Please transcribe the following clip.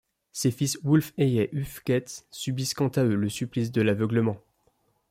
Ses fils Wulfheah et Ufegeat subissent quant à eux le supplice de l'aveuglement.